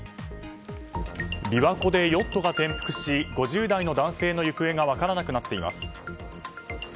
琵琶湖でヨットが転覆し５０代の男性の行方が分からなくなっています。